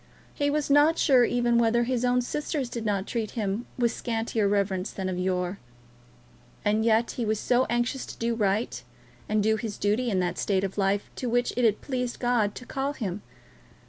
He was not sure even whether his own sisters did not treat him with scantier reverence than of yore. And yet he was so anxious to do right, and do his duty in that state of life to which it had pleased God to call him!